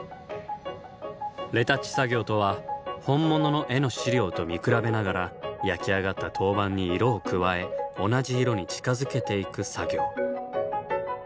レタッチ作業とは本物の絵の資料と見比べながら焼き上がった陶板に色を加え同じ色に近づけていく作業。